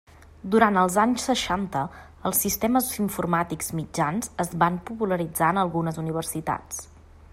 Durant els anys seixanta, els sistemes informàtics mitjans es van popularitzar en algunes universitats.